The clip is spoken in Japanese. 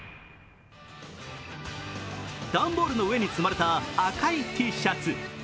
段ボールの上に積まれた赤いＴシャツ。